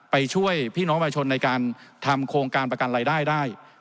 ไปช่วยพี่น้องประชาชนในการทำโครงการประกันรายได้ได้